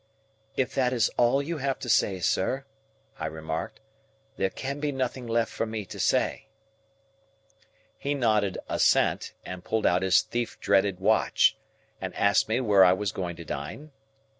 "If that is all you have to say, sir," I remarked, "there can be nothing left for me to say." He nodded assent, and pulled out his thief dreaded watch, and asked me where I was going to dine?